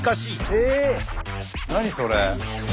えっ何それ！？